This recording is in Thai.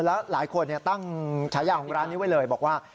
แล้วหลายคนตั้งฉายาของร้านนี้ไว้เลยบอกว่า